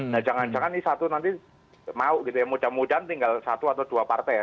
nah jangan jangan ini satu nanti mau gitu ya mudah mudahan tinggal satu atau dua partai ya